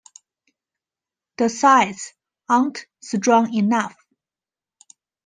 The sides aren’t strong enough.